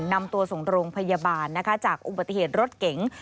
นำตัวส่งโรงพยาบาลนะคะจากอุบัติเหตุรถเก๋ง